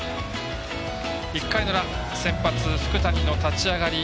１回の裏、先発福谷の立ち上がり。